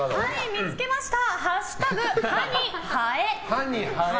見つけました。